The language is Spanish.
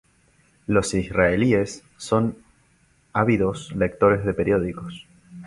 Los israelíes son ávidos lectores de periódicos.